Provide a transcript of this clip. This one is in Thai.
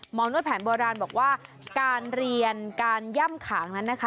นวดแผนโบราณบอกว่าการเรียนการย่ำขางนั้นนะคะ